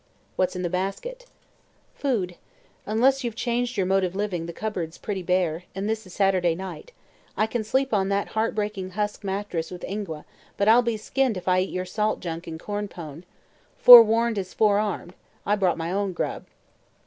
"What's in the basket?" "Food. Unless you've changed your mode of living the cupboard's pretty bare, and this is Saturday night. I can sleep on that heartbreaking husk mattress with Ingua, but I'll be skinned if I eat your salt junk and corn pone. Forewarned is forearmed; I brought my own grub."